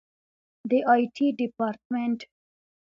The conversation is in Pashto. د آی ټي ډیپارټمنټ